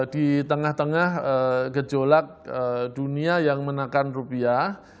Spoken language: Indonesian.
di tengah tengah gejolak dunia yang menekan rupiah